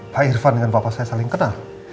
pak irfan dengan bapak saya saling kenal